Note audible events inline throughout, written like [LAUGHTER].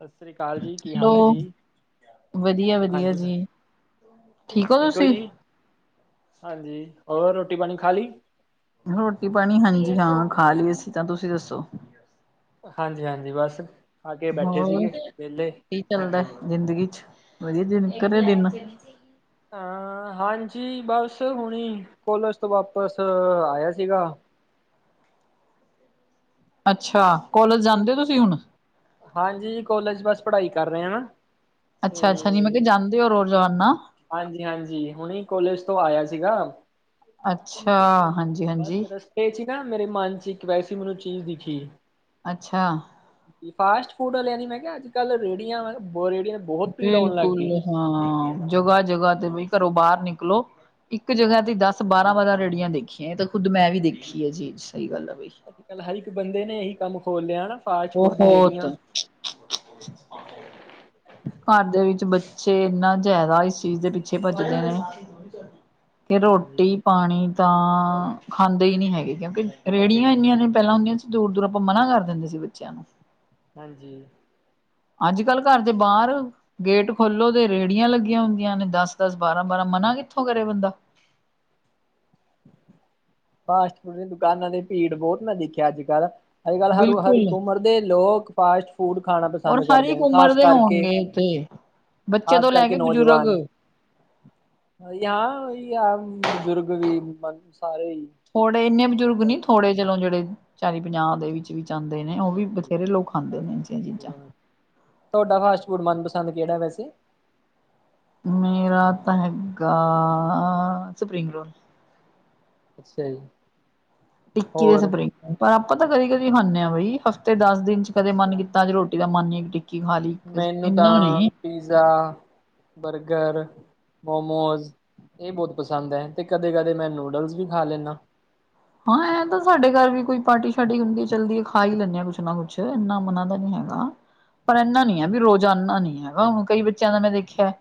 ਸਤਿ ਸ੍ਰੀ ਅਕਾਲ ਜੀ ਕੀ ਹਾਲ ਹੈ ਹੈਲੋ, ਜੀ, ਵਧੀਆ ਹੈਲੋ ਵਧੀਆ ਹਾਂਜੀ। ਜੀ, ਠੀਕ ਹੋ ਤੁਸੀਂ? ਹਾਂਜੀ, ਹੋਰ ਰੋਟੀ- ਪਾਣੀ ਖਾ ਲਈ? ਰੋਟੀ- ਪਾਣੀ ਹਾਂਜੀ ਹਾਂ ਖਾ ਲਈ ਅਸੀਂ ਤਾਂ, ਤੁਸੀਂ ਦੱਸੋ? ਹਾਂਜੀ - ਹਾਂਜੀ ਬਸ ਆ ਕੇ ਬੈਠੇ ਹੋਰ ਸੀਗੇ ਵਿਹਲੇ। ਕੀ ਚੱਲਦਾ ਜ਼ਿੰਦਗੀ ਚ ਵਧੀਆ ਦਿਨ ਘਰੇ ਦਿਨ। ਹਾ ਹਾਂਜੀ ਬਸ ਹੁਣੀ ਕੋਲਜ ਤੋਂ ਵਾਪਿਸ ਆਇਆ ਸੀਗਾ। ਅੱਛਾ ਕੋਲਜ ਜਾਂਦੇ ਹੋ ਤੁਸੀਂ ਹੁਣ? ਹਾਂਜੀ ਕੋਲਜ ਬਸ ਪੜਾਈ ਕਰ ਰਹੇ ਹਾਂ ਨਾ। ਅੱਛਾ-ਅੱਛਾ ਨੀ ਮੈਂ ਤੇ ਕਿਹਾਂ ਜਾਂਦੇ ਹੋ ਰੋਜ਼ਾਨਾ। ਹਾਂਜੀ - ਹਾਂਜੀ ਹੁਣੀ ਕੋਲਜ ਤੋਂ ਆਇਆ ਸੀਗਾ। ਅੱਛਾ, ਹਾਂਜੀ। ਬਸ ਹਾਂਜੀ। ਰਸਤੇ 'ਚ' ਹੀ ਨਾ ਮੇਰੇ ਮਨ 'ਚ' ਇੱਕ ਵੈਸੇ ਮੈਨੂੰ ਚੀਜ਼ ਦਿਖੀ। ਅੱਛਾ। ਫਾਸਟ ਫੂਡ ਆਲਿਆਂ ਦੀ ਮੈਂ ਕਿਹਾ ਅੱਜ- ਕੱਲ ਰੇਹੜੀਆਂ ਬੋ ਰੇੜੀਆਂ। ਬਿਲਕੁਲ ਹਾਂ ਜਗਾ- ਜਗਾ ਤੇ ਬਾਈ ਘਰੋਂ ਬਾਹਰ ਨਿਕਲੋ। ਇੱਕ ਜਗਾ ਤੀ ਦਸ, ਬਾਰਾਂ- ਬਾਰਾਂ ਰੇੜੀਆਂ ਦੇਖੀਆਂ ਏ ਤੇ ਖੁੱਦ ਮੈਂ ਵੀ ਦੇਖੀ ਏ ਜੀ ਸਹੀ ਗੱਲ ਹੈ ਬਾਈ। ਅੱਜ- ਕੱਲ ਹਰ ਇੱਕ ਬੰਦੇ ਨੇ ਇਹੀ ਕੰਮ ਖੋਲ ਲਿਆ ਹਨਾ। ਫਾਸਟ ਫੂਡ ਦੀਆ ਰੇਹੜੀਆਂ। ਹਾਂਜੀ। ਘਰ ਦੇ ਵਿੱਚ ਬੱਚੇ ਇੰਨਾ ਜ਼ਿਆਦਾ ਇਸ ਚੀਜ਼ ਦੇ ਪਿੱਛੇ ਭੱਜਦੇ ਨੇ। ਕੇ ਹਾਂਜੀ, ਰੋਟੀ ਪਾਨੀ ਤਾਂ ਖਾਂਦੇ ਹੀ ਨਹੀਂ ਹੈਗੇ, ਕਿਉਂਕਿ ਰੇਹੜੀਆਂ ਇੰਨੀਆਂ ਨੇ ਪਹਿਲਾਂ ਹੁੰਦੀਆਂ ਸੀ। ਦੂਰ- ਦੂਰ ਆਪਾਂ ਮਨਾ ਕਰ ਦੇਂਦੇ ਸੀ ਬੱਚਿਆਂ ਨੂੰ ਹਾਂਜੀ। ਅੱਜ- ਕੱਲ ਘਰ ਦੇ ਬਾਹਰ ਗੇਟ ਖੋਲੋ ਤੇ ਰੇਹੜੀਆਂ ਲੱਗੀਆਂ ਹੁੰਦੀਆਂ ਨੇ, ਦਸ- ਦਸ, ਬਾਰਾਂ- ਬਾਰਾਂ, ਮਨਾ ਕਿੱਥੋਂ ਕਰੇ ਬੰਦਾ ਫਾਸਟ ਫੂਡ ਦੀ ਦੁਕਾਨਾਂ ਤੇ ਭੀੜ ਬੋਤ, ਮੈਂ ਦੇਖਿਆ ਅੱਜ- ਕੱਲ ਅੱਜ- ਕੱਲ ਹਰ, ਹਰ ਇੱਕ ਬਿਲਕੁਲ ਉਮਰ ਦੇ ਲੋਕ ਫਾਸਟ ਫੂਡ ਖਾਣਾ ਔਰ ਪਸੰਦ ਹਰ ਕਰਦੇ ਇੱਕ ਨੇ ਉਮਰ ਖਾਸ ਦੇ ਕਰ ਹੋਣਗੇ ਐਥੇ ਖਾਸ ਕਰਕੇ ਨੌਜਵਾਨ ਜਾਅ- ਜਾਅ, ਬਜ਼ੁਰਗ ਵੀ ਬਾਕੀ ਸਾਰੇ ਹੀ ਥੋੜੇ ਇੰਨੇ ਬਜ਼ੁਰਗ ਨੀ ਥੋੜੇ ਚਲੋ, ਜੇੜੇ ਚਾਲੀ ਪੰਜਾਹ ਦੇ ਵਿੱਚ ਦੇ ਵਿੱਚ ਆਂਦੇ ਨੇ, ਉਹ ਵੀ ਹਾਂਜੀ। ਬਥੇਰੇ ਲੋਕ ਖਾਂਦੇ ਨੇ ਇਹੋ ਜੀਆਂ ਚੀਜ਼ਾਂ ਤਾਡਾ ਫਾਸਟ ਫੂਡ ਮਨਪਸੰਦ ਕੇੜਾ ਵੈਸੇ ਮੇਰਾ ਤਾਂ ਹੈਗਾ, ਸਪਰਿੰਗ ਰੋਲ ਅੱਛਾ ਜੀ। ਟਿੱਕੀ ਤੇ ਹੋਰ? ਸਪਰਿੰਗ ਰੋਲ, ਪਰ ਆਪਾਂ ਤੇ ਕਦੀ- ਕਦੀ ਖਾਂਦੇ ਆਂ ਬਾਈ, ਹਫ਼ਤੇ ਦਸ ਦਿਨ 'ਚ' ਕਦੇ ਮਨ ਅੱਛਾ। ਕੀਤਾ ਰੋਟੀ ਜਿਹਦਾ ਮੰਨ ਨੀ ਟੀ ਮੈਨੂੰ ਤਾਂ ਪੀਜ਼ਾ, ਬਰਗਰ ਮੋਮੋਜ ਇਹ ਬਹੁਤ ਪਸੰਦ ਐ, ਤੇ ਕਦੇ- ਕਦੇ ਮੈਂ ਨੂਡਲਜ ਵੀ ਖਾ ਲੈਂਣਾ ਹਾਂ, ਐਂ ਤੇ ਸਾਡੇ ਘਰ ਵੀ ਕੋਈ ਪਾਰਟੀ- ਸ਼ਾਰਟੀ ਹੁੰਦੀ, ਚਲਦੀ ਖਾ ਹੀ ਲੈਂਦੇ ਆਂ ਕੁਛ ਨਾ ਕੁਛ, ਐਨਾ ਮਨਾ ਤਾਂ ਨੀ ਹੈਗਾ। ਪਰ ਐਨਾ ਨੀ ਐ ਵੀ ਰੋਜ਼ ਆਨਾ ਨੀ ਹੈਗਾ ਹੁਣ ਕਈ ਬੱਚਿਆਂ ਦਾ ਮੈਂ ਦੇਖਿਆ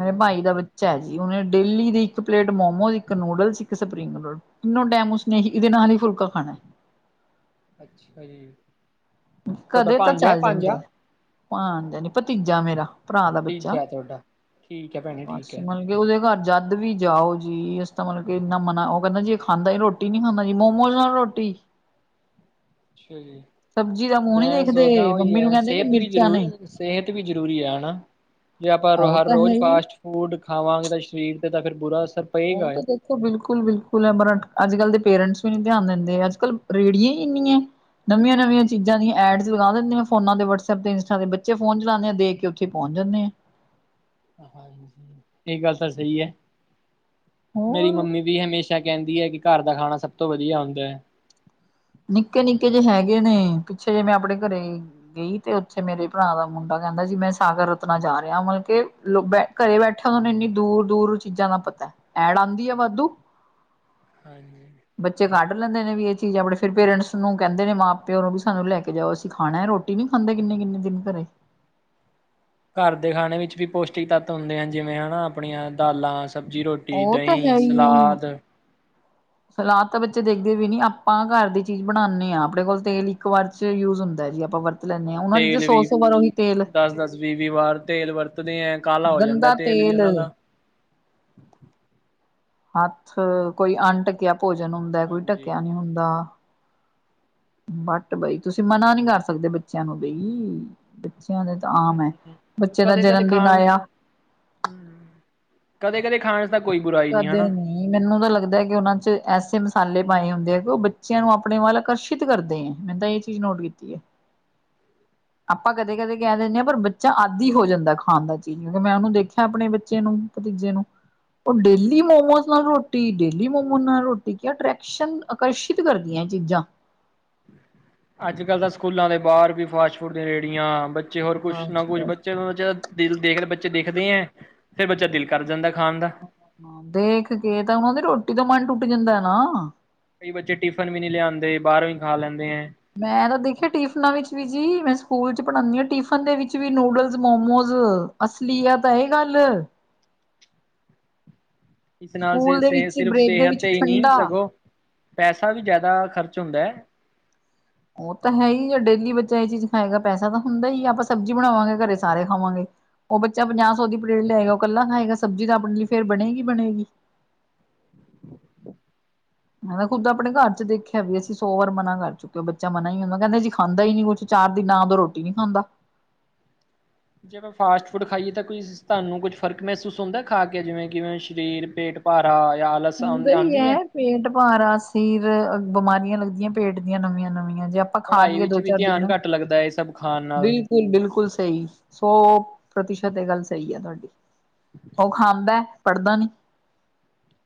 ਮੇਰੇ ਭਾਈ ਦਾ ਬੱਚਾ ਐ ਜੀ, ਉਹਨੇ ਡੇਲੀ ਦੀ ਇੱਕ ਪਲੇਟ ਮੋਮੋਜ, ਇੱਕ ਨੂਡਲਜ, ਇੱਕ ਸਪਰਿੰਗ ਰੋਲ ਤਿੰਨੋਂ ਟਾਇਮ ਉਸ ਨੇ ਇਹਦੇ ਨਾਲ ਹੀ ਫੁਲਕਾ ਖਾਣਾ ਅੱਛਾ ਜੀ। ਤੁਹਾਡਾ ਕਦੇ ਤਾਂ ਭਾਂਜਾ ਹੈ ਚੱਲ ਭਾਂਜਾ ਜਾਂਦਾ ਐ ਭਾਣਜਾ ਨੀ, ਭਤੀਜਾ ਮੇਰਾ, ਭਰਾ ਦਾ ਬੱਚਾ ਭਤੀਜਾ ਤੁਹਾਡਾ ਠੀਕ ਹੈ ਭੈਣੇ ਠੀਕ ਹੈ। ਪਰਸਨਲੀ ਉਹਦੇ ਘਰ ਜਦ ਵੀ ਜਾਓ ਜੀ, ਇਸਦਾ ਮਤਲਬ ਕਿ ਇੰਨਾ ਮਨਾ ਉਹ ਕਹਿੰਦਾ ਜੀ ਖਾਂਦਾ ਰੋ ਰੋਟੀ ਨੀ ਖਾਂਦਾ ਜੀ, ਮੋਮੋਜ਼ ਨਾਲ ਰੋਟੀ ਅੱਛਾ ਜੀ, ਸਬਜ਼ੀ ਦਾ ਮੂੰਹ ਨੀ ਮੈਂ ਦੇਖਦੇ ਸੋਚਦਾ ਉਹੀ ਮੰਮੀ ਨੂੰ ਐ, ਕਹਿੰਦੇ ਕਿ ਸਿਹਤ ਵੀ ਮਿਰਚਾਂ ਜ਼ਰੂਰ ਨੇ ਸਿਹਤ ਵੀ ਜ਼ਰੂਰੀ ਐ, ਹਨਾ, ਜੇ ਆਪਾਂ ਉਹ ਹਰ ਤਾਂ ਹੈ ਰੋਜ਼ ਹੀ ਫਾਸਟ ਫੂਡ ਖਾਵਾਂਗੇ, ਸਰੀਰ ਤੇ ਤਾਡੇ ਬੁਰਾ ਅਸਰ। ਉਹ ਪਏਗਾ। ਤਾਂ ਆ। ਦੇਖ ਬਿਲਕੁਲ- ਬਿਲਕੁਲ-ਬਿਲਕੁਲ ਅਮਰ ਹਟ, ਅੱਜ- ਕੱਲ ਦੇ ਪੇਰੈਂਟਸ ਵੀ ਨੀ ਧਿਆਨ ਦਿੰਦੇ, ਅੱਜ- ਕੱਲ ਰੇਹੜੀਆ ਹੀ ਇੰਨੀਆਂ। ਨਵੀਆਂ- ਨਵੀਆਂ ਚੀਜ਼ਾਂ ਦੀਆਂ ਐਡਸ ਲਗਾ ਦਿੰਦੀਆਂ ਫੋਨਾਂ ਵਟਸਐਪ ਤੇ ਇੰਸਟਾਂ ਦੇ, ਬੱਚੇ ਫੋਨ ਚਲਾਉਦੇ ਦੇਖ ਕੇੇ ਉੱਥੇ ਪਹੁੰਚ ਜਾਂਦੇ। ਹਾਂਜੀ, ਇਹ ਗੱਲ ਤਾਂ ਸਹੀ ਐ। ਮੇਰੀ ਹੋਰ ਮੰਮੀ ਵੀ ਹਮੇਸ਼ਾ ਕਹਿੰਦੀ ਐ ਕਿ ਘਰ ਦਾ ਖਾਣਾ ਸਭ ਤੋਂ ਵਧੀਆ ਹੁੰਦਾ ਐ। ਨਿੱਕੇ- ਨਿੱਕੇ ਜੇ ਹੈਗੇ ਨੇ, ਪਿੱਛੇ ਜੇ ਮੈੰ ਆਪਣੇ ਘਰੇ ਗਈ ਤੇ ਉੱਥੇ ਮੇਰੇ ਭਰਾ ਦਾ ਮੁੰਡਾ ਕਹਿੰਦਾ ਸੀ ਮੈਂ ਸਾਗਰ ਰਤਨਾ ਜਾ ਰਿਹਾ ਮਤਲਬ ਕਿ ਲੋ ਬੈ ਘਰੇ ਬੈਠਾ ਉਹਨਾਂ ਨੂੰ ਇੰਨੀ ਦੂਰ- ਦੂਰ ਚੀਜ਼ਾਂ ਦਾ ਪਤਾ, ਐੜ ਆਂਦੀ ਆ ਵਾਧੂ। ਹਾਂਜੀ ਬੱਚੇ ਕੱਢ ਲੈਂਦੇ ਨੇ ਵੀ ਇਹ ਚੀਜ਼ ਆਪ ਫੇਰ ਪੇਰੈਂਟਸ ਨੂੰ ਕਹਿੰਦੇ ਨੇ ਮਾਂ- ਪਿਓ ਨੂੰ ਵੀ ਸਾਨੂੰ ਲੈ ਕੇ ਜਾਓ, ਅਸੀਂ ਖਾਣਾ ਰੋਟੀ ਨੀ ਖਾਂਦੇ ਕਿੰਨੇ -ਕਿੰਨੇ ਦਿਨ ਘਰੇ। ਘਰ ਦੇ ਖਾਣੇ ਵਿੱਚ ਵੀ ਪੌਸ਼ਟਿਕ ਤੱਤ ਹੁੰਦੇ, ਜਿਵੇਂ ਹਨਾ ਆਪਣੀਆਂ ਦਾਲਾਂ, ਸਬਜ਼ੀ ਰੋ। ਰੋਟੀ, ਉਹ ਤਾਂ ਦਹੀਂ, ਹੈ ਹੀ ਸਲਾਦ। ਸਲਾਦ ਤਾਂ ਬੱਚੇ ਦੇਖਦੇ ਵੀ ਨੀ ਆਪਾਂ ਘਰ ਦੀ ਚੀਜ਼ ਬਣਾਨੇ ਆ ਆਪਣੇ ਕੋਲ ਤੇਲ ਇੱਕ ਵਾਰ ਚ ਯੂਜ ਹੁੰਦੈ ਜੀ ਆਪਾਂ ਵਰ ਹਾਂ, ਤੇਲ ਵੀ ਦਸ-ਦਸ, ਵੀਹ-ਵੀਹ ਵਾਰ ਤੇਲ ਵਰਤਦੇ ਐ ਕਾਲਾ ਹੋ ਜਾਂਦਾ ਤੇਲ ਵੀ ਓਨਾਂ ਦਾ ਹੱਥ ਕੋਈ ਅਣਟੱਕਿਆ ਭੋਜਨ ਹੁੰਦਾ ਕੋਈ ਹਾਂਜੀ। ਢੱਕਿਆ ਨੀ ਹੁੰਦਾ। ਬਟ ਬਾਈ ਤੁਸੀਂ ਮਨਾ ਨੀ ਕਰ ਸਕਦੇ ਬੱਚਿਆਂ ਨੂੰ ਬਈ ਬੱਚਿਆਂ ਦੇ ਤਾਂ ਆਮ ਐ ਬੱਚੇ ਦਾ ਕਦੇ-ਕਦੇ ਜਨਮ ਦਿਨ ਖਾਣ ਆਇਆ ਹੂੰ ਕਦੇ-ਕਦੇ ਖਾ ਤਾਂ ਕੋਈ ਬੁਰਾਈ ਕਦੇ ਨੀ। ਨੀ ਮੈਨੂੰ ਤਾਂ ਲੱਗਦਾ ਕੀ ਉਨਾਂ ਚ ਐਸੇ ਮਸਾਲੇ ਪਾਏ ਹੁੰਦੇ ਆ ਕੀ ਓ ਬੱਚਿਆਂ ਨੂੰ ਆਪਣੇ ਵੱਲ ਆਕਰਸ਼ ਸਿਤ ਕਰਦੇ ਐ ਮੈਂਨੂੰ ਤਾਂ ਏ ਚੀਜ਼ ਨੋਟ ਕੀਤੀ ਐ। ਆਪਾਂ ਕਦੇ-ਕਦੇ ਕੈ ਦਿੰਨੇ ਆ ਪਰ ਬੱਚਾ ਆਦੀ ਹੋ ਜਾਂਦਾ ਖਾਣ ਦਾ ਚੀਜ਼ ਕਿਉਂਕੀ ਮੈਂ ਉਨੂੰ ਦੇਖਿਆ ਆਪਣੇ ਬੱਚੇ ਨੂੰ। ਭਤੀਜੇ ਨੂੰ ਓ ਡੇਲੀ ਮੋਮੋਜ਼ ਨਾਲ ਰੋਟੀ ਡੇਲੀ ਮੋਮੋ ਨਾਲ ਰੋਟੀ ਕਿਆ ਟਰੈਕਸ਼ਨ ਆਕਰਸ਼ਿਤ ਕਰਦੀਆਂ ਐ ਚੀਜ਼ਾਂ। ਅੱਜ ਕੱਲ੍ਹ ਤਾਂ ਸਕੂਲਾਂ ਦੇ ਬਾਰ ਵੀ ਫਾਸਟ ਫੂਡ ਦੀ ਰੇੜੀਆਂ ਬੱਚੇ ਹੋਰ ਕੁਛ ਬਸ ਨਾ ਕੁਛ ਬਸ ਬੱਚੇ ਨੂੰ ਦਿਲ ਦੇਖਦੇ ਬੱਚੇ ਦੇਖਦੇ ਐ ਫੇਰ ਬੱਚਾ ਦਿਲ ਕਰ ਜਾਂਦਾ ਖਾਣ ਦਾ। ਹਾਂ ਦੇਖ ਕੇ ਤਾਂ ਓਨਾਂ ਦੀ ਰੋਟੀ ਦਾ ਮਨ ਟੁੱਟ ਜਾਂਦਾ ਨਾ। ਕਈ ਬੱਚੇ ਟਿਫਨ ਵੀ ਨੀ ਲਿਆਂਦੇ ਬਾਰੋਂ ਈ ਖਾ ਲੈਂਦੇ ਐਂ। ਮੈਂ ਤਾਂ ਦੇਖਿਆ, ਟਿਫਨਾਂ ਵਿੱਚ ਵੀ ਜੀ ਮੈਂ ਸਕੂਲ ਚ ਪੜ੍ਹਾਨੀ ਆ ਟਿਫਨ ਦੇ ਵਿੱਚ ਵੀ ਨੂਡਲਸ, ਮੋਮੋਜ਼। ਅਸਲੀਅਤ ਏ ਗੱਲ। ਇਸ ਨਾਲ ਸ ਸਕੂਲ ਦੇ ਸ ਵਿੱਚ ਸਿਰਫ਼ ਬ੍ਰੇਕ ਦੇ ਸਿਹਤ ਵਿੱਚ ਤੇ ਈ ਨੀ ਠੰਡਾ ਸਗੋਂ ਪੈਸਾ ਵੀ ਜਾਦਾ ਖਰਚ ਹੁੰਦੈ। ਓ ਤਾਂ ਹੈ ਈ ਆ ਡੇਲੀ ਬੱਚਾ ਏ ਚੀਜ਼ ਖਾਏਗਾ ਪੈਸਾ ਤਾਂ ਹੁੰਦਾ ਈ ਆ ਆਪਾਂ ਸਬਜ਼ੀ ਬਣਾਵਾਂਗੇ ਘਰੇ ਸਾਰੇ ਖਾਵਾਂਗੇ। ਓ ਬੱਚਾ ਪੰਜਾਹ ਸੌ ਦੀ ਪਲੇਟ ਲਿਆਇਗਾ ਓ ਕੱਲਾ ਖਾਏਗਾ ਸਬਜ਼ੀ ਤਾਂ ਆਪਣੇ ਲਈ ਫੇਰ ਬਣੇਗੀ-ਬਣੇਗੀ। ਮੈਂ ਤਾਂ ਖੁਦ ਹਾਂਜੀ। ਆਪਣੇ ਘਰ ਚ ਦੇਖਿ [INAUDIBLE] ਵੀ ਅਸੀਂ ਸੌ ਵਾਰ ਮਨਾ ਕਰ ਚੁੱਕੇ ਬੱਚਾ ਮਨਾ ਈ [UNINTELLIGIBLE] ਓ ਕੈਂਦਾ ਜੀ ਖਾਂਦਾ ਈ ਨੀ ਕੁਛ ਚਾਰ ਦੇ ਨਾ ਰੋਟੀ ਨੀ ਖਾਂਦਾ। ਜੇ ਆਪਾਂ ਫਾਸਟ ਫੂਡ ਖਾਈਏ ਤਾਂ ਕੋਈ ਤੁਹਾਨੂੰ ਕੁਛ ਫ਼ਰਕ ਮਹਿਸੂਸ ਹੁੰਦਾ ਖਾ ਕੇ ਜਿਵੇਂ, ਕਿਵੇਂ ਸਰੀਰ ਪੇਟ ਭਾਰਾ ਯਾਂ [UNINTELLIGIBLE] ਹੁੰਦਾ ਈ ਐ। ਪੇਟ ਭਾਰਾ ਸਿਰ ਬਿਮਾਰੀਆਂ ਲੱਗਦੀਆਂ ਪੇਟ ਦੀਆਂ ਨਵੀਆਂ-ਨਵੀਆਂ ਜੇ ਆ ਪੜ੍ਹਾਈ ਵਿੱਚ ਵੀ ਧਿਆਨ ਘੱਟ ਲੱਗਦਾ ਏ ਸਭ ਖਾਣ ਨਾਲ। ਕੁੱਲ ਬਿਲਕੁੱਲ ਸਈ ਸੌ ਪ੍ਰਤੀਸ਼ਤ ਏ ਗੱਲ ਸਈ ਐ ਤੁਹਾਡੀ। ਓ ਖਾਂਦੈ ਪੜ੍ਹਦਾ ਨੀ।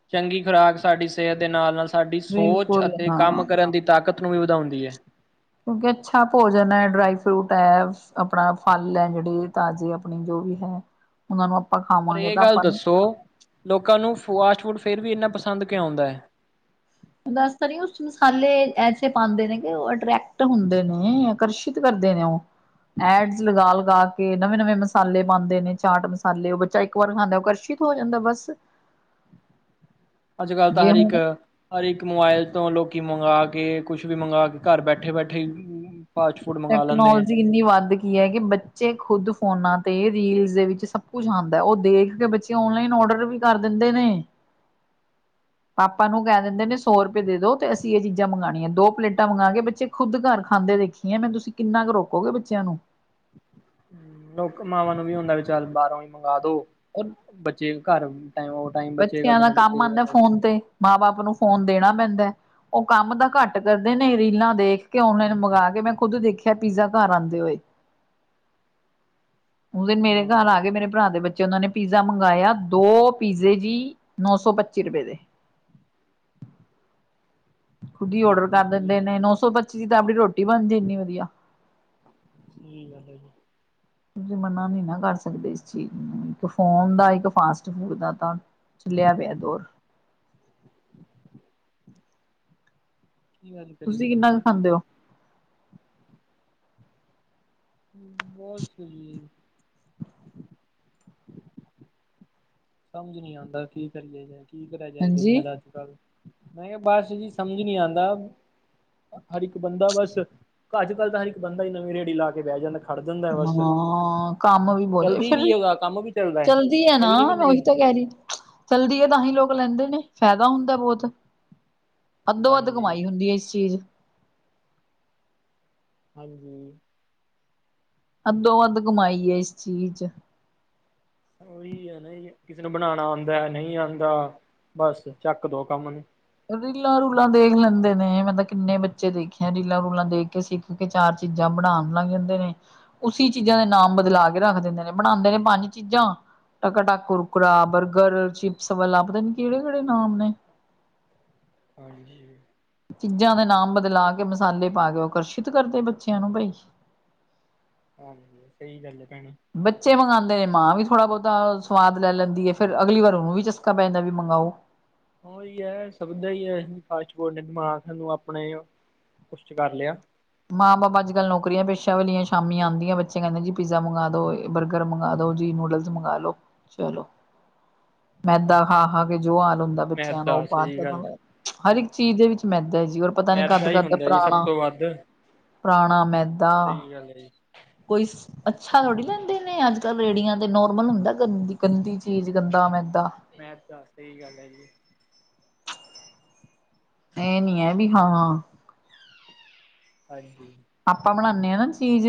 ਚੰਗੀ ਖੁਰਾਕ ਸਾਡੀ ਸਿਹਤ ਦੇ ਨਾਲ-ਨਾਲ ਸਾਡੀ ਸੋਚ ਬਿਲਕੁਲ ਅਤੇ ਹਾਂ ਕੰਮ ਕਰਨ ਦੀ ਤਾਕ ਨੂੰ ਵੀ ਵਧਾਉਂਦੀ ਐ। ਕਿਉਂਕੀ ਅੱਛਾ ਭੋਜਨ ਐ, ਡਰਾਈ ਫਰੂਟ ਐ, ਆਪਣਾ ਫਲ ਏ ਜੇੜੇ ਤਾਜ਼ੇ ਅਪ ਆਪਨੇ ਜੋ ਵੀ ਹੈ। ਉਨਾਂ ਨੂੰ ਆਪਾਂ ਪਰ ਖਾਵਾਂਗੇ ਇਹ ਤਾਂ ਗੱਲ ਆਪਾਂ ਨੂੰ ਦੱਸੋ ਲੋਕਾਂ ਨੂੰ ਫੋਆਸਟ ਫੂਡ ਫੇਰ ਵੀ ਇੰਨਾ ਪਸੰਦ ਕਿਉਂ ਔਂਦੈ? ਦੱਸ ਤਾਂ ਰਈ ਆ ਉਸ ਓਚ ਮਸਾਲੇ ਏਸੇ ਜੇ ਪਾਂਦੇ ਨੇ ਕੀ ਓ ਅਟਰੈਕਟ ਹੁੰਦੇ ਨੇ। ਆਕਰਸ਼ਿਤ ਕਰਦੇ ਨੇ ਓ। ਐਡਜ ਲਗਾ-ਲਗਾ ਕੇ ਨਵੇਂ-ਨਵੇਂ ਮਸਾਲੇ ਪਾਂਦੇ ਨੇ ਚਾਟ ਮਸਾਲੇ ਓ ਬੱਚਾ ਇੱਕ ਵਾਰ ਖਾਂਦਾ ਓ ਆਕਰਸ਼ਿਤ ਹੋ ਜਾਂਦਾ ਬਸ। ਅੱਜ ਕੱਲ੍ਹ ਤਾਂ ਜੇ ਹਰ ਹੁਣ ਇਕ ਹਰ ਇੱਕ ਮੋਬਾਇਲ ਤੋਂ ਲੋਕੀ ਮੰਗਾਂ ਕੇ ਕੁਛ ਵੀ ਮੰਗਾਂ ਕੇ ਘਰ ਬੈਠੇ-ਬੈਠੇ ਈ ਫਾਸਟ ਫੂਡ ਮੰਗਵਾ ਲੈਂਦੇ ਹੈ ਟੈਕਨੋਲੋਜੀ ਕਿੰਨੀ ਵੱਧਗੀ ਏ, ਕਿ ਬੱਚੇ ਖੁੱਦ ਫੋਨਾਂ ਤੇ ਰੀਲਜ ਦੇ ਵਿੱਚ ਸਭ ਕੁਛ ਆਂਦੈ, ਉਹ ਦੇਖ ਕੇ ਬੱਚੇ ਤੇ ਔਨਲਾਈਨ ਔਡਰ ਵੀ ਕਰ ਦਿੰਦੇ ਨੇ। ਆਪਾ ਨੂੰ ਕਹਿ ਦਿੰਦੇ ਨੇ ਸੌ ਰੁਪਏ ਦੇਦੋ ਤੇ ਅਸੀਂ ਇਹ ਚੀਜ਼ਾਂ ਮੰਗਵਾਣੀਆ, ਦੋ ਪਲੇਟਾਂ ਮੰਗਾਕੇ ਬੱਚੇ ਖੁਦ ਘਰ ਖਾਂਦੇ ਦੇ ਏ, ਮੇਂ ਤੁਸੀਂ ਕਿੰਨਾ ਕੁ ਰੋਕੋਗੇ ਬੱਚਿਆਂ ਨੂੰ। ਲੁਕ ਮਾਵਾਂ ਨੂੰ ਵੀ ਹੁੰਦਾ, ਵੀ ਚੱਲ ਬਾਹਰੋਂ ਈ ਮੰਗਾਦੋ। ਔਰ ਬੱਚੇ ਘਰ ਬਚੇਗਾ ਬੱਚਿਆਂ ਦਾ ਸਮਾਂ ਕੰਮ ਬਚੇਗਾ ਆਂਦਾ ਬਸ ਫੋਨ ਤੇ, ਮਾਂ-ਬਾਪ ਨੂੰ ਫੋਨ ਦੇਣਾ ਪੈਂਦਾ। ਉਹ ਕੰਮ ਤਾਂ ਘੱਟ ਕਰਦੇ ਨੇ, ਰੀਲਾਂ ਦੇਖਕੇ, ਔਨਲਾਈਨ ਮੰਗਾਕੇ ਮੈਂ ਖ਼ੁਦ ਦੇਖਿਆ ਪੀਜ਼ਾ ਘਰ ਆਂਦੇ ਹੋਏ। [INAUDIBLE] ਉਸ ਦਿਨ ਮੇਰੇ ਘਰ ਹਾਂ ਆਗੇ, ਮੇਰੇ ਭਰਾ ਦੇ ਬੱਚੇ ਉਹਨਾਂ ਨੇ ਪੀਜ਼ਾ ਮੰਗਾਇਆ ਦੋ ਪੀਜ਼ੇ ਜੀ, ਨੌ ਸੌ ਪੱਚੀ ਰੁਪਏ ਦੇ। ਖ਼ੁਦ ਈ ਔਡਰ ਬਿਲਕੁਲ ਕਰ ਸਹੀ ਦਿੰਦੇ ਗੱਲ ਨੇ, ਹੈ ਨੌ ਸੌ ਪੱਚੀ ਦੀ ਤਾਂ ਆਪਣੀ ਰੋਟੀ ਬਣਜੇ ਇੰਨੀ ਵਧੀਆ। ਠੀਕ ਆ ਫਿਰ। ਤੁਸੀਂ ਮਨਾ ਨੀ ਨਾ ਕਰ ਸਕਦੇ ਇਸ ਚੀਜ਼ ਨੂੰ, ਇੱਕ ਫੋਨ ਦਾ ਇੱਕ ਫਾਸਟ-ਫੂਡ ਦਾ ਤਾਂ ਹਿੱਲਿਆ ਪਿਆ ਦੋਰ। ਕੀ ਗੱਲ ਕਰੀ? ਤੁਸੀਂ ਕਿੰਨਾ ਕੁ [UNINTELLIGIBLE] ਖਾਂਦੇ ਹੋ ਬੌਸ ਨੇ। ਸਮਝ ਨੀ ਆਂਦਾ ਕੀ ਕਰੀਏ ਜੇ, ਕੀ ਕਰਿਆ ਜਾਏ ਹਾਂਜੀ ਦੁਨੀਆਂ ਦਾ ਅੱਜ-ਕੱਲ। ਮੈਂ ਕਿਹਾ ਬਸ ਜੀ, ਸਮਝ ਨੀ ਆਂਦਾ। ਹਰ ਇੱਕ ਬੰਦਾ ਬਸ, ਅੱਜ-ਕੱਲ ਤਾਂ ਹਰ ਇੱਕ ਬੰਦਾ ਨਵੀ ਰੇੜੀ ਲਾਕੇ ਬਹਿ ਜਾਂਦਾ। ਖੜ ਜਾਂਦਾ ਬਸ ਹਾਂ, ਕੰਮ ਵੀ ਬਹੁਤ ਜਦਾ, ਚਲਦੀ ਫਿਰ ਵੀ ਉਹਦਾ ਕੰਮ ਵੀ ਚੱਲਦਾ ਹੈ ਚਲਦੀ ਆ ਇਹ ਨਾ ਵੀ ਨੀ ਵੀ ਓ ਨਹੀਂ ਤਾ ਕਹਿ ਰਹੀ, ਚੱਲਦੀ ਏ ਤਾਹੀਂ ਲੋਕ ਲੈਂਦੇ ਨੇ, ਫਾਇਦਾ ਹੁੰਦਾ ਬਹੁਤ। ਅੱਧੋ-ਅੱਧ ਹਾਂਜੀ ਕਮਾਈ ਹੁੰਦੀ ਏ, ਇਸ ਚੀਜ਼ ਹਾਂਜੀ। ਅੱਧੋ-ਅੱਧ ਕਮਾਈ ਏ, ਇਸ ਚੀਜ਼ 'ਚ। ਉਹੀ ਏ ਨਾ ਜੇ ਕਿਸੇ ਨੂੰ ਬਣਾਨਾ ਆਂਦਾ, ਨਹੀਂ ਆਂਦਾ ਬਸ ਚੱਕਦੋ ਕੰਮ ਨੂੰ। ਰੀਲਾਂ-ਰੂਲਾਂ ਦੇਖ ਲੈਂਦੇ ਨੇ, ਮੈਂ ਤਾਂ ਕਿੰਨੇ ਬੱਚੇ ਦੇਖੇ ਆ ਰੀਲਾਂ-ਰੂਲਾਂ ਦੇਖ ਕੇ ਸਿਖ ਕਿ ਚਾਰ ਚੀਜ਼ਾਂ ਬਣਾਨ ਲਗ ਜਾਂਦੇ ਨੇ। ਉਸੀ ਚੀਜ਼ਾਂ ਦੇ ਨਾਮ ਬਦਲਾਕੇ ਰੱਖ ਦਿੰਦੇ ਨੇ, ਬਣਾਂਦੇ ਨੇ ਪੰਜ ਚੀਜ਼ਾਂ। ਟਕਾਟਕ, ਕੁਰਕੁਰਾ, ਬਰਗਰ, ਚਿਪਸ ਵਾਲਾ ਪਤਾ ਨੀ ਕਿਹੜੇ-ਕਿਹੜੇ ਨਾਮ ਨੇ। ਹਾਂਜੀ। ਚੀਜ਼ਾਂ ਦੇ ਨਾਮ ਬਦਲਾਕੇ, ਮਸਾਲੇ ਪਾਕੇ ਆਕਰਸ਼ਿਤ ਕਰਦੇ ਬੱਚਿਆਂ ਨੂੰ ਭਾਈ। ਹਾਂਜੀ, ਸਹੀ ਗੱਲ ਏ ਭੈਣੇ। ਬੱਚੇ ਮੰਗਾਂਦੇ ਨੇ ਮਾਂ ਵੀ ਥੋੜਾ-ਬਹੁਤਾ ਸਵਾਦ ਲੈ ਲੈਂਦੀ ਏ ਫਿਰ, ਅਗਲੀ ਵਾਰ ਉਹਨੂੰ ਵੀ ਚਸਕਾ ਪੈ ਜਾਂਦਾ ਵੀ ਮੰਗਾਓ। ਉਹੀ ਹੈ, ਸਭ ਦਾ ਹੀ ਐ, ਫਾਸਟ-ਫੂਡ ਨੇ ਦਿਮਾਗ ਨੂੰ ਆਪਣੇ [INAUDIBLE] ਵਸ'ਚ ਕਰ ਲਿਆ। ਮਾਂ-ਬਾਪ ਅੱਜ-ਕੱਲ ਨੌਕਰੀਆਂ ਪੇਸ਼ਾ ਵਾਲੀਆਂ, ਸ਼ਾਮੀ ਆਂਦੀਆਂ ਬੱਚੇ ਕਹਿੰਦੇ ਜੀ ਪੀਜ਼ਾ ਮੰਗਾਦੋ, ਬਰਗਰ ਮੰਗਾਦੋ ਜੀ, ਨੂਡਲ ਮੰਗਾਲੋ, ਚਲੋ। [INAUDIBLE] ਮੈਦਾ ਹਾਂ ਖਾ-ਖਾਕੇ ਜੋ ਹਾਲ ਹੁੰਦਾ ਬੱਚਿਆਂ ਦਾ, ਮੈਦਾ ਉਹ ਬਾਅਦ ਸਹੀ ਪਤਾ ਗੱਲ ਲੱਗ ਹਰ ਹੈ। ਇੱਕ ਚੀਜ਼ ਦੇ ਵਿੱਚ ਮੈਦਾ ਏ ਜੀ, ਔਰ ਪਤਾ ਨੀ ਕੱਦ-ਕੱਦ ਦਾ ਪਰਾਣਾ। ਪੱਦ ਪਰਾਣਾ ਮੈਦਾ। ਚਲ ਜੇ ਕੋਈ ਸ ਅੱਛਾ ਥੋੜ੍ਹੀ ਲੈਂਦੇ ਨੇ, ਅੱਜ ਕੱਲ੍ਹ ਰੇੜੀਆਂ ਤੇ ਨੋਰਮਲ ਹੁੰਦਾ ਗੰ ਗੰਦੀ ਚੀਜ਼ ਗੰਦਾ ਮੈਦਾ। ਮੈਂਦਾ ਸਈ ਗੱਲ ਐ ਜੀ, ਏਂ ਨੀ ਏ, ਵੀ ਹਾਂ ਹਾਂਜੀ। ਆਪਾਂ ਬਣਾਨੇਂ ਆ ਨਾ ਚੀਜ਼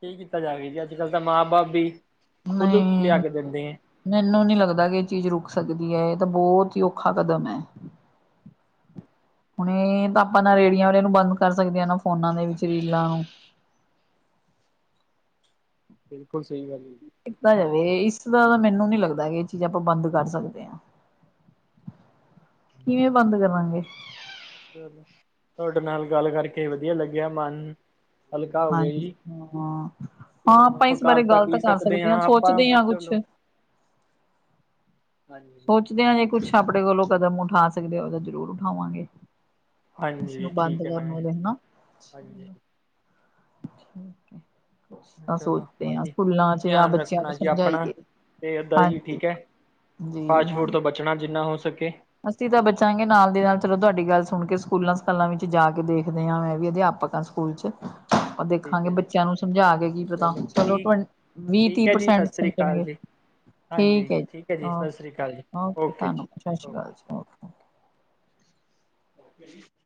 ਕੀ ਕੀਤਾ ਜਾਵੇ ਜੀ, ਅੱਜ ਕੱਲ੍ਹ ਤਾਂ ਮਾਂ -ਬਾਪ ਵੀ ਖੁਦ ਲਿਆ ਨਈ ਕੇ ਦਿੰਦੇ ਹੈ ਮੈਂਨੂੰ ਨੀ ਲੱਗਦਾ ਕਿ, ਏ ਚੀਜ਼ ਰੁੱਕ ਸਕਦੀ ਐ, ਏ ਤਾਂ ਬਹੁਤ ਈ ਔਖਾ ਕਦਮ ਐ। ਹੁਨ ਏ ਤਾਂ ਆਪਾ ਨਾ, ਰੇੜੀਆਂ ਵਾਲੇ ਨੂੰ ਬੰਦ ਕਰ ਸਕਦੇ ਆਂ, ਨਾ ਫੋਨਾਂ ਦੇ ਵਿੱਚ ਰੀਲਾਂ ਨੂੰ। ਬਿਲਕੁੱਲ ਸਈ ਗੱਲ ਏ ਜੀ। ਕੀਤਾ ਜਾਵੇ ਇਸਦਾ ਤਾਂ ਮੈਨੂੰ ਨੀ, ਲੱਗਦਾ ਕਿ ਏ ਚੀਜ਼ ਆਪਾ ਬੰਦ ਕਰ ਸਕਦੇ ਆ। [INAUDIBLE] ਕਿਵੇਂ ਬੰਦ ਕਰਾਂਗੇ। ਚਲੋ, ਤੁਹਾਡੇ ਨਾਲ ਗੱਲ ਕਰਕੇ ਵਧੀਆ ਲੱਗਿਆ ਮਨ ਹਲਕਾ ਹੋ ਗਿਆ ਹਾਂਜੀ ਜੀ ਹਾਂ। ਚਲੋ ਹਾਂ ਹੁਣ ਆਪਾਂ ਇਸ ਘਰ ਬਾਰੇ ਗੱਲ ਤੱਕ ਹੀ ਤਾਂ ਕਰ ਸਕਦੇ ਹਾਂ ਆਂ, ਆਪਾਂ ਸੋਚਦੇ ਆਂ ਕੁੱਛ। ਚਲੋ ਹਾਂਜੀ। ਸੋਚਦੇ ਜੇ ਕੁੱਛ ਆਪਣੇ ਕੋਲੋ ਕਦਮ ਉਠਾ ਸਕਦੇ ੳ, ਤੇ ਜ਼ਰੂਰ ਉਠਾਵਾਂਗੇ। ਹਾਂਜੀ ਇਸਨੂੰ ਬੰਦ ਠੀਕ ਹੈ ਮੈਂ ਕਰਨ ਵਾਲੇ ਨਾ, ਹਾਂਜੀ ਚਲੋ। ਚਲੋ ੳਕੇ। ਕੁਝ ਤਾਂ ਚਲੋ ਸੋਚਦੇ ਆ, ਬਾਕੀ ਸਕੂਲਾਂ ਚ' ਯਾਂ ਧਿਆਨ ਬੱਚਿਆਂ ਨੂੰ ਰੱਖਣਾ ਜੀ ਆਪਣਾ ਸਮਝਾਈਏ। ਤੇ ਐਦਾਂ ਜੀ ਹਾਂਜੀ। ਠੀਕ ਏ, ਫਾਸਟ ਫੂਡ ਤੋਂ ਬਚਣਾ ਜਿੰਨਾ ਹੋ ਸਕੇ। ਅਸੀ ਤਾਂ ਬਚਾਂਗੇ ਨਾਲ ਦੀ ਨਾਲ ਚਲੋ, ਤੁਹਾਡੀ ਗੱਲ ਸੁਣ ਕੇ ਸਕੂਲਾਂ -ਸਕਾਲਾਂ ਵਿੱਚ ਜਾ ਕੇ ਦੇਖਦੇ ਹਾਂ, ਮੈਂ ਵੀ ਅਧਿਆਪਕ ਆ। ਸਕੂਲ ਚ। ਠੀਕ ਦੇਖਾਗੇ ਹੈ ਜੀ ਬੱਚਿਆਂ ਨੂੰ ਸਮਝਾ ਕੇ ਕੀ ਪਤਾ ਚਲੋ ਟਵੱਟੀ ਵੀਹ -ਤੀਹ ਠੀਕ ਹੈ ਜੀ ਸਤਿ ਪ੍ਰਸੈਂਟ ਸ੍ਰੀ ਅਕਾਲ ਸਮਝਣਗੇ। ਜੀ ਠੀਕ ਹਾਂਜੀ ਏ ਜੀ, ਹੈ ਓ ਸਤਿ ਸ੍ਰੀ ਅਕਾਲ ਜੀ ਓਕੇ, ਜੀ ਧੰਨਵਾਦ ਸਾਸ ਸੀ ਕਾਲ ਜੀ, ਓਕੇ। [INAUDIBLE] [INAUDIBLE]